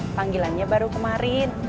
panggilannya baru kemarin